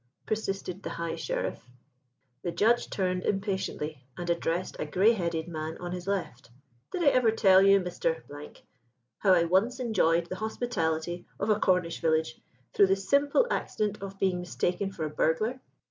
persisted the High Sheriff. The Judge turned impatiently and addressed a grey headed man on his left. "Did I ever tell you, Mr. , how I once enjoyed the hospitality of a Cornish village, through the simple accident of being mistaken for a burglar?"